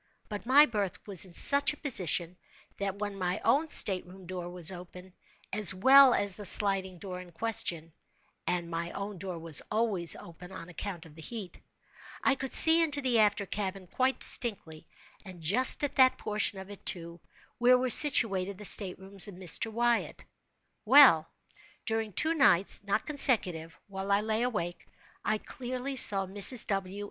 But my berth was in such a position, that when my own state room door was open, as well as the sliding door in question (and my own door was always open on account of the heat,) I could see into the after cabin quite distinctly, and just at that portion of it, too, where were situated the state rooms of Mr. Wyatt. Well, during two nights (not consecutive) while I lay awake, I clearly saw Mrs. W.